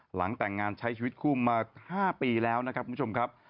หลังแต่งงานใช้ชีวิตคู่มา๕ปีแล้วนะครับคุณผู้ชมครับ